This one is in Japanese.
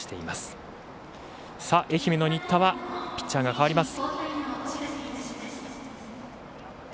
愛媛の新田はピッチャーが代わります。